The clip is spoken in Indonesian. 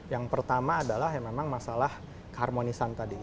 yang pertama adalah memang masalah keharmonisan tadi